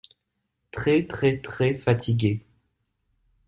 Très très très fatigué.